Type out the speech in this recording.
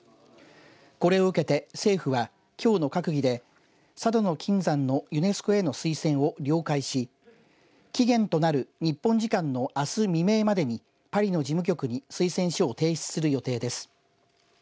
これを受けて、政府はきょうの閣議で佐渡島の金山のユネスコへの推薦を了解し期限となる日本時間のあす未明までにパリの事務局に推薦書を提出する予定です。